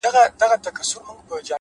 صبر بریا ته لاره هواروي؛